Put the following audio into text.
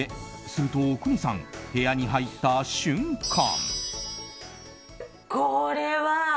すると、阿国さん部屋に入った瞬間。